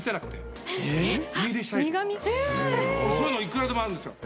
そういうのいくらでもあるんですよ。